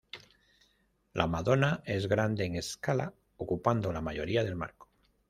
La Madonna es grande en escala, ocupando la mayoría del marco.